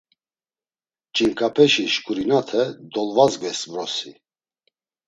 Ç̌inǩapeşi şǩurinate dolvadzgvey vrosi.